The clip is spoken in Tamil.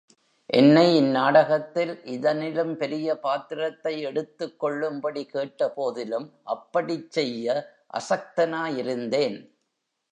என்னை இந் நாடகத்தில் இதனிலும் பெரிய பாத்திரத்தை எடுத்துக் கொள்ளும்படி கேட்டபோதிலும் அப்படிச் செய்ய அசக்தனாயிருந்தேன்.